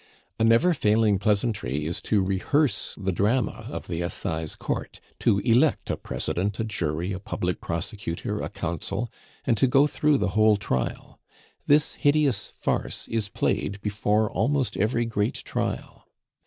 A never failing pleasantry is to rehearse the drama of the Assize Court; to elect a president, a jury, a public prosecutor, a counsel, and to go through the whole trial. This hideous farce is played before almost every great trial.